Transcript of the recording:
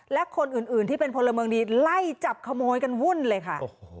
และคนอื่นที่เป็นพลเมืองดีไล่จับขโมยกันวุ่นเลยค่ะ